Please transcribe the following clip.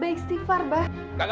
gue kagak sudi diliatin mereka semua